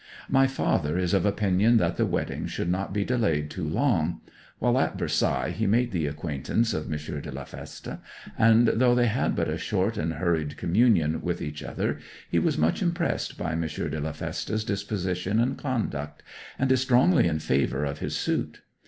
My father is of opinion that the wedding should not be delayed too long. While at Versailles he made the acquaintance of M. de la Feste, and though they had but a short and hurried communion with each other, he was much impressed by M. de la Feste's disposition and conduct, and is strongly in favour of his suit.